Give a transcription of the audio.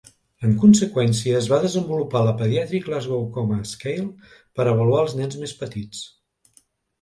En conseqüència, es va desenvolupar la Pediatric Glasgow Coma Scale per avaluar els nens més petits.